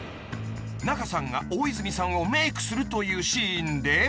［仲さんが大泉さんをメークするというシーンで］